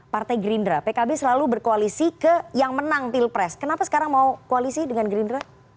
partai gerindra pkb selalu berkoalisi ke yang menang pilpres kenapa sekarang mau koalisi dengan gerindra